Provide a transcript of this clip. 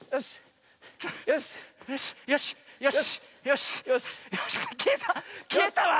よし。